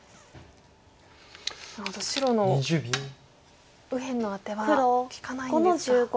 なるほど白の右辺のアテは利かないんですか。